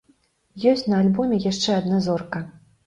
Ёсць на альбоме яшчэ адна зорка.